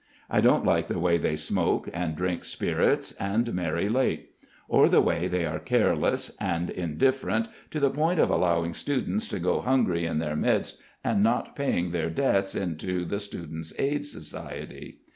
I don't like the way they smoke, and drink spirits, and marry late; or the way they are careless and indifferent to the point of allowing students to go hungry in their midst, and not paying their debts into "The Students' Aid Society."